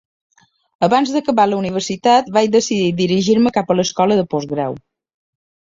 Abans d'acabar la universitat, vaig decidir dirigir-me cap a l'escola de postgrau.